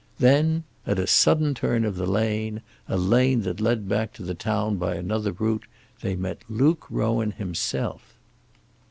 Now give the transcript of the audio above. Then, at a sudden turn of a lane, a lane that led back to the town by another route, they met Luke Rowan himself.